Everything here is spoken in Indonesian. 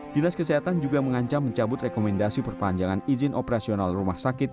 dinas kesehatan juga mengancam mencabut rekomendasi perpanjangan izin operasional rumah sakit